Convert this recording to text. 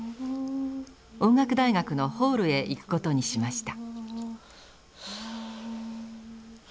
音楽大学のホールへ行くことにしました。